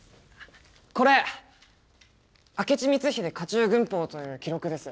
これ「明智光秀家中軍法」という記録です。